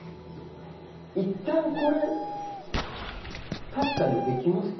いったん、これ、立ったりできますか？